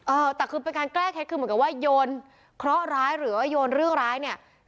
เออแต่คือเป็นการแก้เคล็ดคือเหมือนกับว่าโยนเคราะห์ร้ายหรือว่าโยนเรื่องร้ายเนี่ย